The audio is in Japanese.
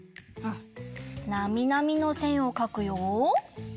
なみなみのせんをかくよ！